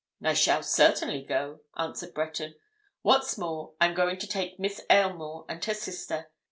"I shall certainly go," answered Breton. "What's more, I'm going to take Miss Aylmore and her sister.